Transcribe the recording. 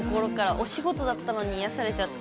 お仕事だったのに癒やされちゃって。